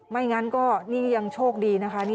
ไม่งั้นก็นี่ยังโชคดีนะคะ